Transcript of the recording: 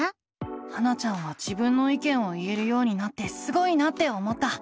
ハナちゃんは自分の意見を言えるようになってすごいなって思った。